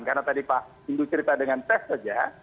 karena tadi pak ingin cerita dengan tes saja